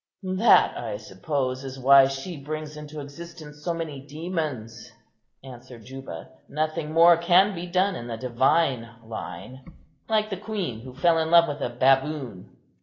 "That, I suppose, is why she brings into existence so many demons," answered Juba; "nothing more can be done in the divine line; like the queen who fell in love with a baboon."